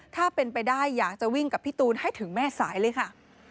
ถ้าเป็นไปได้อยากจะวิ่งกับพี่ตูนให้ถึงแม่สายเลยค่ะ